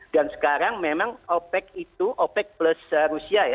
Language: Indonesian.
dan sekarang memang opec itu opec plus rusia ya